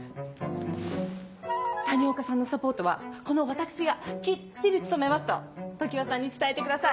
谷岡さんのサポートはこの私がきっちり務めますと常葉さんに伝えてください。